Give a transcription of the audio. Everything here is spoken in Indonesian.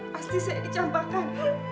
pasti saya dicampahkan